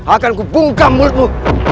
akanku bungkam mulutmu